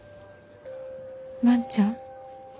万ちゃん？